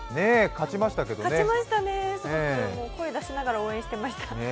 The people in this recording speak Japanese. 勝ちましたね、声を出しながら応援してました。